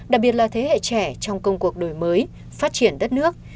đặc biệt là thế hệ trẻ trong công cuộc đổi mới phát triển đất nước